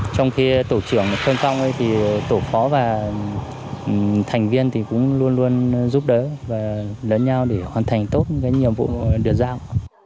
trong khi tổ trưởng phân phong thì tổ phó và thành viên cũng luôn luôn giúp đỡ và lẫn nhau để hoàn thành tốt nhiệm vụ được giao